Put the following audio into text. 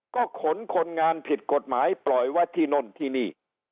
ก็ขนคนงานผิดกฎหมายปล่อยไว้ที่โน่นที่นี่